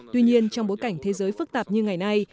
tuy nhiên trong bối cảnh thế giới phức tạp như ngày nay